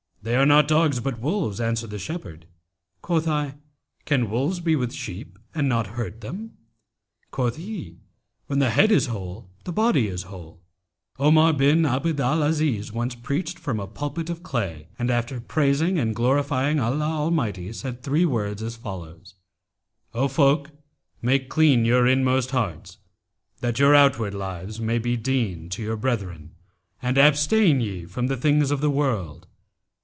'They are not dogs, but wolves,' answered the shepherd. Quoth I, 'Can wolves be with sheep and not hurt them?' Quoth he, 'When the head is whole, the body is whole.'[FN#291] Omar bin Abd al Aziz once preached from a pulpit of clay and, after praising and glorifying Allah Almighty, said three words as follows, 'O folk, make clean your inmost hearts, that your outward lives may be dean to your brethren, and abstain ye from the things of the world.